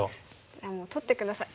じゃあもう取って下さい。